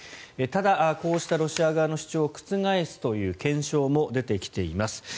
ただ、こうしたロシア側の主張を覆すという検証も出てきています。